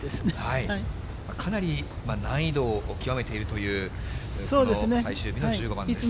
かなり難易度を極めているという、この最終日の１５番です。